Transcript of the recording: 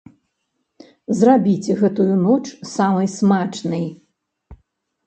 Зрабіце гэтую ноч самай смачнай!